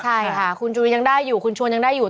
ใช่ค่ะคุณจุลินยังได้อยู่คุณชวนยังได้อยู่